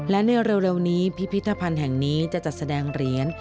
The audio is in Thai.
และในเร็วนี้พิพิธภัณฑ์แห่งนี้จะจัดแสดงเหรียญ